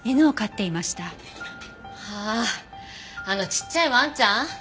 あああのちっちゃいワンちゃん。